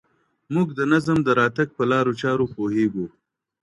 موږ د نظم د راتګ په لارو چارو پوهېږو.